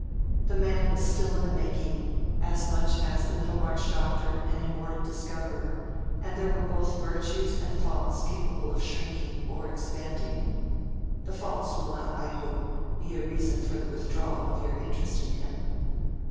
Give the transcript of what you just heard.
The man was still in the making, as much as the Middlemarch doctor and immortal discoverer, and there were both virtues and faults capable of shrinking or expanding. The faults will not, I hope, be a reason for the withdrawal of your interest in him.